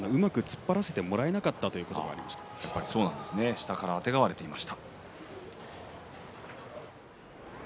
下からあてがわれていました。